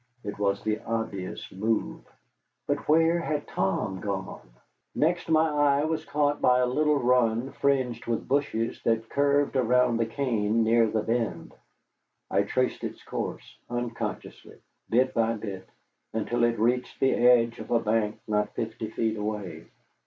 It was the obvious move. But where had Tom gone? Next my eye was caught by a little run fringed with bushes that curved around the cane near the bend. I traced its course, unconsciously, bit by bit, until it reached the edge of a bank not fifty feet away.